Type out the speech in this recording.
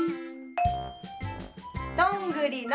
どんぐりの。